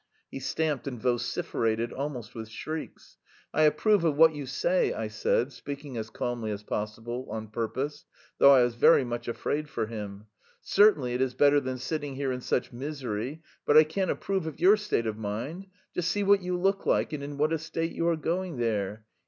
He stamped and vociferated almost with shrieks. "I approve of what you say," I said, speaking as calmly as possible, on purpose, though I was very much afraid for him. "Certainly it is better than sitting here in such misery, but I can't approve of your state of mind. Just see what you look like and in what a state you are going there!